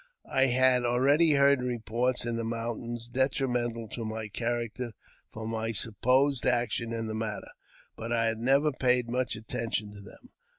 I had already heard reports in the mountains detrimental to my" character for my supposed action in the matter, but I had never paid much attention to them.